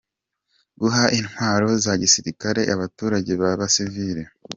Guha intwaro za gisirikare abaturage b’abasivile.